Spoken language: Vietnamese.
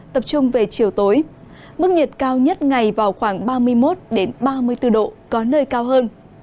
tập trung về chiều tối mức nhiệt cao nhất ngày vào khoảng ba mươi một ba mươi bốn độ có nơi cao hơn